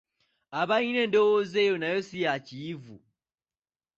Abalina endowooza eyo nayo si ya Kiyivu